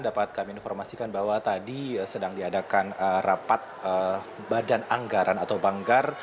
dapat kami informasikan bahwa tadi sedang diadakan rapat badan anggaran atau banggar